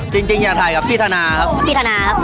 จริงอยากถ่ายกับพี่ธนาครับ